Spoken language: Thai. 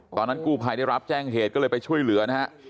ตอนนั้นกู้ภัยได้รับแจ้งเหตุก็เลยไปช่วยเหลือนะฮะ